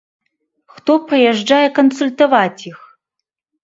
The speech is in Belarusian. Хто прыязджае кансультаваць іх?